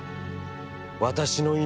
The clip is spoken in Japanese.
私の命